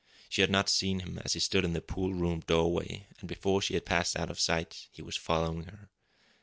She had not seen him as he stood in the pool room doorway, and before she had passed out of sight he was following her.